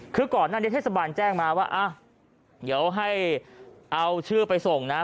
คือก่อนหน้านี้เทศบาลแจ้งมาว่าเดี๋ยวให้เอาชื่อไปส่งนะ